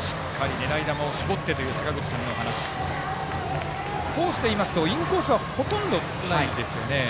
しっかり狙い球を絞ってという坂口さんのお話。コースでいいますとインコースはほとんどないですね。